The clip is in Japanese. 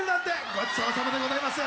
ごちそうさまでございます。